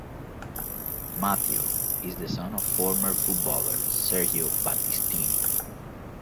Matteo is the son of former footballer Sergio Battistini.